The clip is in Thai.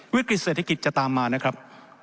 วิกฤตเศรษฐกิจจะตามมานะครับ